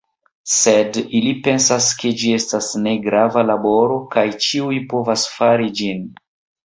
Sed ili pensas ke ĝi estas ne grava laboro kaj ĉiuj povas fari ĝin.